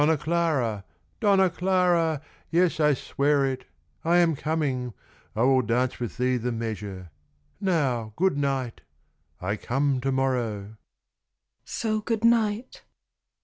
"Donna Clara! Donna Clara! Yes, I swear it. I am coming. I will dance with thee the measure. Now good night! I come to morrow." "So good night!"